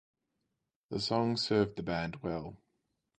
The song served the band well.